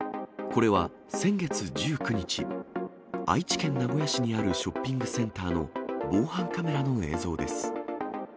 これは先月１９日、愛知県名古屋市にあるショッピングセンターの防犯カメラの映像です。